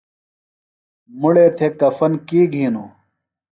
مڑے تھےۡ کفن کی گھینوۡ؟